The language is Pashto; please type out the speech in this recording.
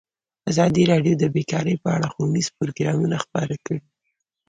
ازادي راډیو د بیکاري په اړه ښوونیز پروګرامونه خپاره کړي.